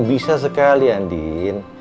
bisa sekalian din